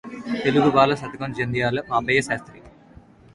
తెలుగుబాల! శతకంజంధ్యాల పాపయ్య శాస్త్రి